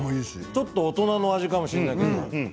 ちょっと大人の味かもしれないけれども。